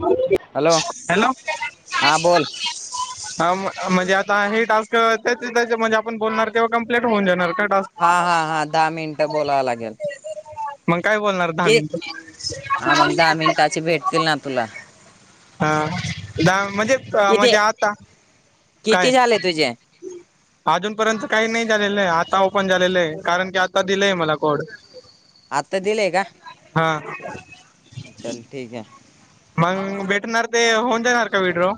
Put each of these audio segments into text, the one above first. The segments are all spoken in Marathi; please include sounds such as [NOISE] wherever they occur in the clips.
हॅलो हा बोल हा म्हणजे आता हे टास्क त्याच त्या म्हणजे आपण बोलणार तेव्हा कंप्लीट होऊन जाणार का टास्क हा. हा. हा. दहा मिनटं बोलाव लागेल. मग काय बोलणार दहा कि मिनिटं. तिला तुला. हा.. दहा म्हणजे, आ.. किती म्हणजे आता, काय? किती झाले तुझे अजूनपर्यंत काही नाही झालेलं आहे, आता ओपन झालेलं आहे कारण की आता दिलंय मला कोड. आत्ता दिलेय का, हा चल ठीक ये. मंग भेटणार ते, होऊन जाणार का विड्रो.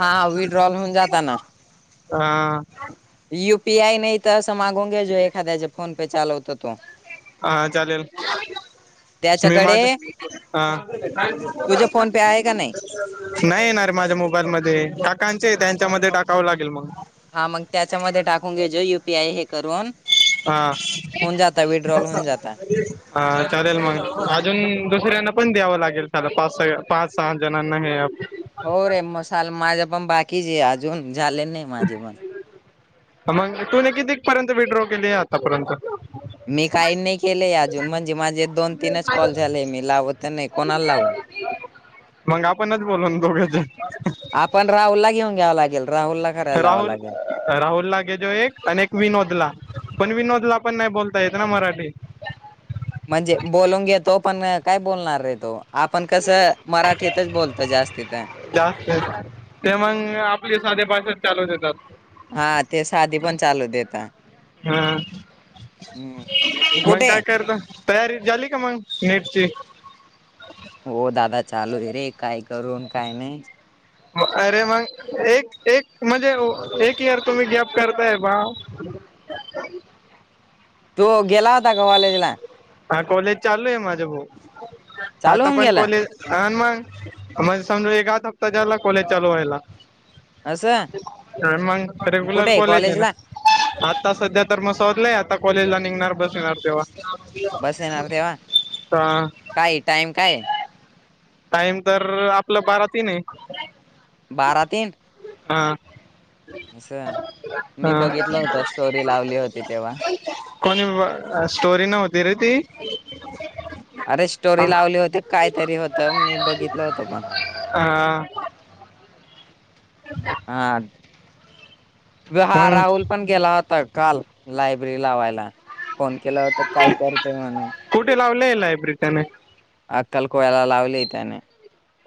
हा विड्रॉल होऊन जाताना. हा. यु पी आय नाही त असं मागोंन घे, जो एखाद्या जो फोन पे चालवतो तो. आ.. चालेल. मी माझ, त्याच्याकडे हा. तुझे फोन पे आहे का नाही नाही येणार रे माझ्या मोबाईल मध्ये, काकांचे त्यांच्यामध्ये टाकावं लागेल मग. हा मग त्यांच्यामध्ये टाकून घे, जे युपीआय हे करून. हा. होऊन जाता विड्रॉल होऊन जाता हा चालेल मग अजून, दुसऱ्यांना पण द्यावं लागेल [UNINTELLIGIBLE] पाच सहा, पाच सहा जणांना हे अॅप. हो रे, म-साल माझं पण बाकीच आहे. अजून झाले नाही माझे पण, मग तु न किती पर्यंत विड्रॉल केली आतापर्यंत. मी काही नाही केलंय अजून, म्हणजे माझे दोन तीनच कॉल झालेय. मी लावत नाही कोणाला लावू. मग आपणच बोलू दोघंजन. आपण राहुल ला घेऊन घ्यावं, लागेल राहुला. राहुल. राहुल ला घेजो एक, आणि एक विनोदला पण, विनोद ला पण नाही बोलता येतना मराठी. म्हणजे बोलून घेेतो, पण काय बोलणार रे तो. आपण कसं, मराठीतच बोलतो जास्तीत. जास्त ते मग आपले साधे भाषा चालूच येतात. हा.. ते साधी पण चालू देेता. हा, मग कुठे काय करता. तयारी झाली का, मग नेटची. हो दादा चालू आहे रे, काय करून काय नाही. अरे मग, एक- एक म्हणजे एक इयर तुम्ही गॅप करताय भाव. तो गेला होता का कॉलेजला? हा कॉलेज चालू आहे माझ भाऊ, चालू आता होऊन पण गेला कॉलेज. अनं मग, मज समज एक आता हप्त झाला. कॉलेज चालू व्हायला. असं अनं मग, रेग्युलर कुठे कॉलेज आहे ना. कॉलेजला आता संध्या तर मसदलय. आता कॉलेजला निघणार बस येणार तेव्हा. बस येणार तेव्हा, काय टाइम काय? टाईम तर, आपलं बारा तीन ये. बारा तीन. हा. असं मी अं.. बघितलं होत स्टोरी लावली होती तेव्हा. कोणी अ- स्टोरी नव्हती रे ती. अरे स्टोरी लावली होती. काय तरी होत, मी बघितलं होत पण. हा [INAUDIBLE] हा, बहा मग राहुल. पण गेला होता काल लायब्ररी लावायला, फोन केला होता काय करतेय म्हणून. कुठे लावलेय लायब्रेरी त्याने, अक्कल कोयाला लावली त्याने,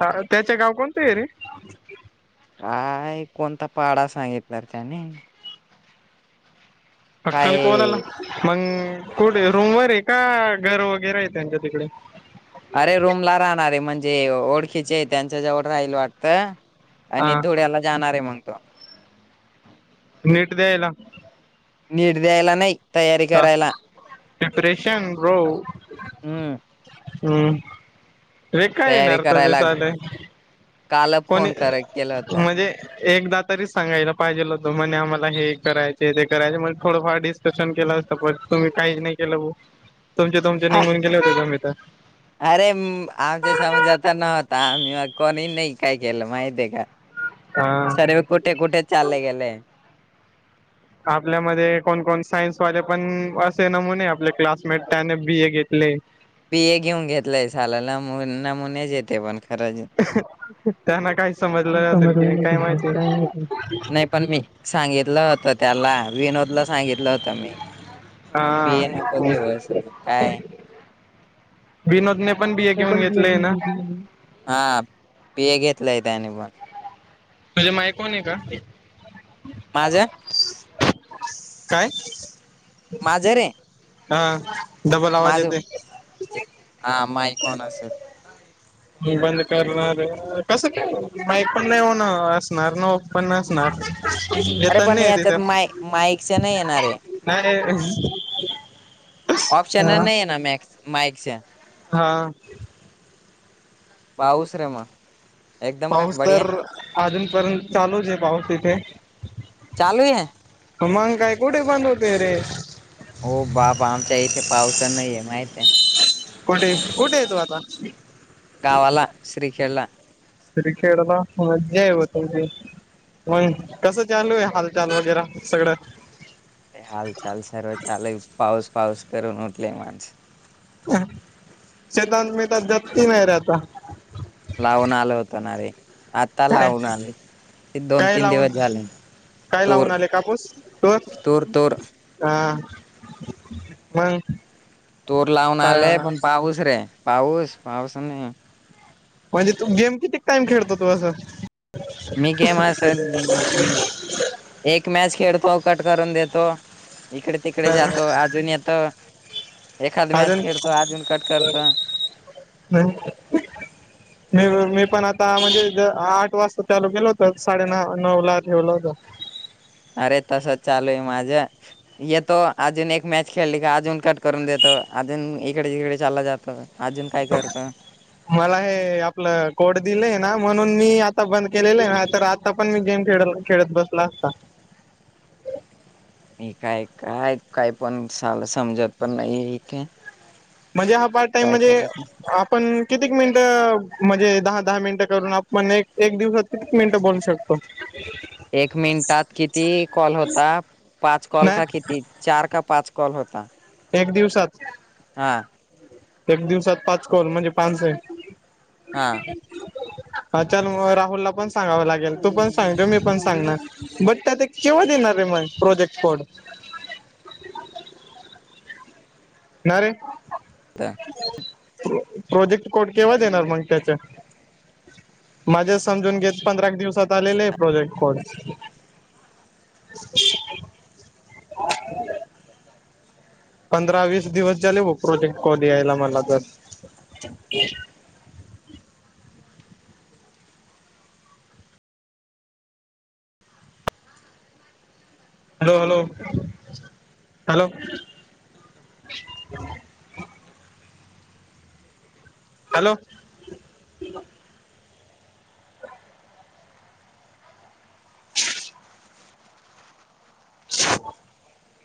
ह- त्याचे गाव कोणते आहे रे? काय कोणता पाडा सांगितला त्याने अक्कन कोलाला काय मग कुठे रूमवर आहे का घर वगैरे आहे त्यांच्या तिकडे. अरे रूम ला राहणारे म्हणजे ओळखीचे त्यांच्या जवळ राहील वाटतं! आणि हा धुळ्याला जाणार आहे मग तो नट देेयला नीट द्यायला नाही. तयारी ह करायला. डिप्रेशन रो हम्म रे कााय ये तयारी नारत ते करायला साले. काल कोणी फोन कर केला होता. म्हणजे! एकदा तरीच सांगायला पाहिजेल होतं म्हणे आम्हाला हे करायचे ते करायचे म्हजे थोडंफार स! न केला असं प तुम्ही काहीच नाही केलं तुमचे तुमचे निघून गेले होते ज म तर. अरे आमच्या समोज आाता नव्हता आम्ही मग कोणी नाही काय केलं माहिती आहे का. हा सर्व कुठे कुठे चालले गेले. आपल्यामध्ये कोणकण सायन्सवाले पण असे नमुने आपले क्लासमेट त्याने बी ए घेतले. पि ए घेऊन घेतलाय सालाला मु नमुनेच येते पण. खज त्यांना काही समजलं असेल की काय माहिती नाही. पण मी सांगितलं होत त्याला विनोदला सांगितलं होत प हा नक केव पाय विनोदने पण ए घेऊन घेतले ना हा पे घेतलंय त्याने पण तुझे माय कोण आहे का? माझ? काय माझरे हा डबल आवाज माझ येते हा म कण असेल. बंद करणार कस बाही पण नाही होणार असणार ना पन असणार. अरे पण याच्यात माय माईकस नाही येणार आहे. नाही ऑप्शनल हा नाही आहे ना मॅक्स माईकस. हा पाऊस रेमा. पाऊस तर अजून पर्यंत चालूच आहे पाऊस तिथे. चालू आहे मग काय कुठे बंद होतेय रे हो बाबा आमच्या इथे पावसा नाहीये माहित आहे. कोठे कुठे येतो आता. कावला श्रीखेळला ्री खडला मजा यवती. मग कसं चालू आहे हालचाल वगैरे सगळं ते हाल चाल सर्व चाल आहे पाऊस पाऊस करून उठले माणस. शतान मी तर जपती नाही राहता. लावून आल होत ना रे आता काय लावून आले ते दोन काय तीन लावून दिवस झाले. काय तूर लावून आले कापूस तो? तूर तूर हा मग तोर लावून आलेय पण पाऊस रे पाऊस पाऊस नाही. म्हणजे तू गेम कितीक टाम खेळतो असं. मी गेम अस एक मॅच खेळतो कट करून देतो. इकडे तिकडे जातो अजून येतो एखाद मॅच अजून खेळतो अजून कट करतो. हम [INAUDIBLE] मी मी पण आता म्हणजे आठ वाजता चालू गेलो होत साडेन नऊ ला ठेवलं होत. अरे तसच चालूये माझं. येतो अजून एक मॅच खेळली का अजून कट करून देतो अजून इकडे जिकडे चाल्ला जातो. अजून काय करतो? मला हे आपलं कोड दिलंय ना म्हणून मी आता बंद केलेलं आहे तर आ आता पण मी गेम खेड- खेळत बसला असता. मी काय- काय कायपण साला समजत पण नाही इथे म्हणजे हा पार्ट टाइम काय म्हणजे करायचं आप पण कितीक मिनिटं म्हणजे दहा -दहा मिनिटं करून आपण एक- एक दिवसात कितीक मिनिटं बोलू शकतो? ह [INAUDIBLE] एक मिनिटात किती कॉल होतात, पाच कॉल नाही का किती चार का पाच कॉल होता एक दिवसात, हा एक दिवसात पाच कल म्हणजे पानसो हे. [INAUDIBLE] हा चल मग राहुलला पण सांगाव लागेल. तू पण सांगत मी पण सांगणार बट त्या केव्हा देणार रे म प्रोजेक्ट कोड? [INAUDIBLE] ना रे हा. प्रोजेक्ट कोड केव्हा देणार मग त्याच? माझे समजून घेत पंधरा एक दिवसात आलेले आहे प्रोजेक्ट कोड [INAUDIBLE] पंधरा -वीस दिवस झाले भो प्रोजेक्ट कॉल यायला मला तर [INAUDIBLE] hello- hello- hello hello [INAUDIBLE]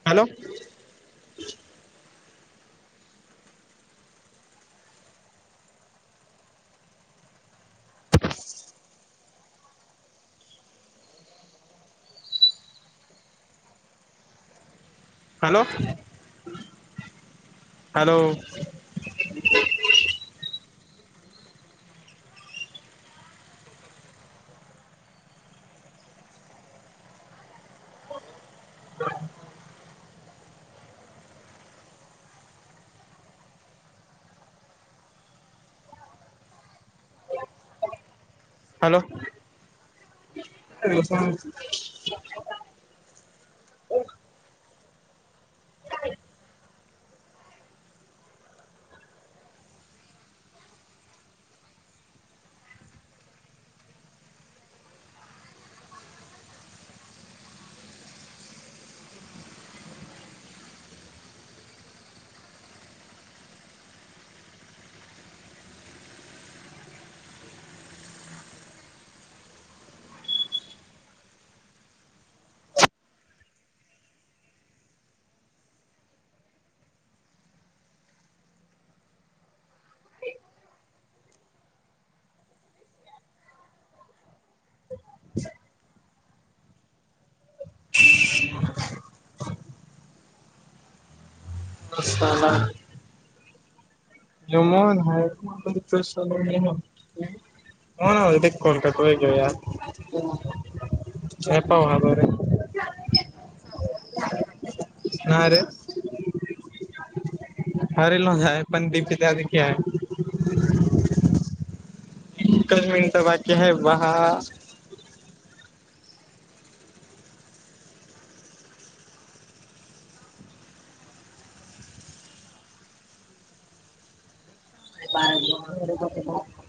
hello hello [INAUDIBLE] hello ह [INAUDIBLE] [INAUDIBLE] हॅलो [UNINTELLIGIBLE] ह [INAUDIBLE] असला [INAUDIBLE] जमन ह [UNINTELLIGIBLE] होणा देिकण कात व काव या [UNINTELLIGIBLE] ये पवालोय रे ना [INAUDIBLE] रे हरेलो आहे पण दीपिक त्याली क्या [UNINTELLIGIBLE] कशमीन तर बाकी्या है बा [UNINTELLIGIBLE] पा [INAUDIBLE]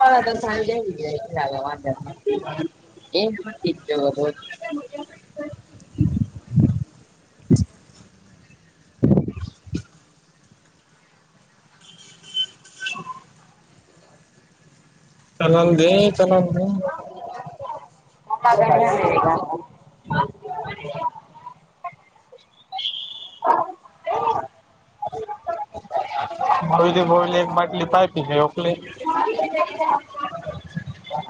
हंत हे म्या [UNINTELLIGIBLE] [INAUDIBLE] ए बघत [UNINTELLIGIBLE] [INAUDIBLE] चगंद चलांद [UNINTELLIGIBLE] [UNINTELLIGIBLE] [INAUDIBLE] ह [INAUDIBLE] मोयीते बोले एक बाटली पाइपीची ओकले [UNINTELLIGIBLE]